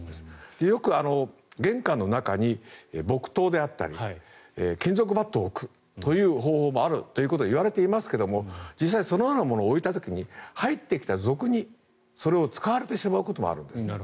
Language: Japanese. よく玄関の中に木刀であったり金属バットを置くという方法があるということも言われていますけども実際にそのようなものを置いた時に入ってきた賊にそれを使われてしまうこともあるんですね。